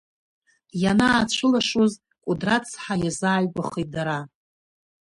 Ианаацәылашоз Кәыдры ацҳа иазааигәахеит дара.